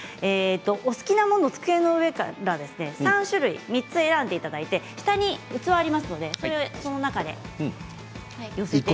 お好きなものを机の上から３つ選んでいただいて下に器がありますのでその中に寄せて。